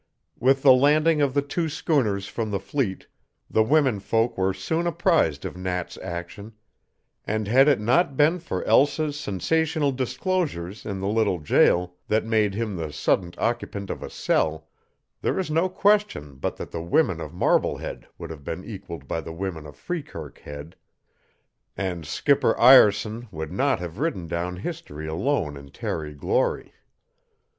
With the landing of the two schooners from the fleet the women folk were soon apprised of Nat's action, and, had it not been for Elsa's sensational disclosures in the little jail that made him the sudden occupant of a cell, there is no question but what the women of Marblehead would have been equaled by the women of Freekirk Head; and Skipper Ireson would not have ridden down history alone in tarry glory.